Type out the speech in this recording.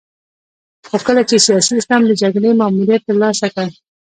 خو کله چې سیاسي اسلام د جګړې ماموریت ترلاسه کړ.